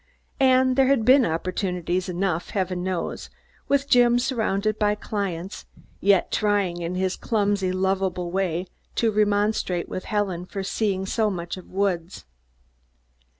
And there had been opportunities enough, heaven knows, with Jim surrounded by clients, yet trying in his clumsy, lovable way to remonstrate with Helen for seeing so much of Woods.